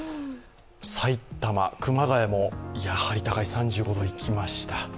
埼玉・熊谷もやはり高い３５度いきました。